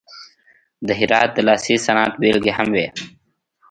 د هرات د لاسي صنعت بیلګې هم وې.